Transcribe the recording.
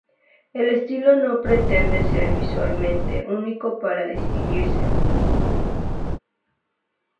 El estilo no pretende ser visualmente único para distinguirse.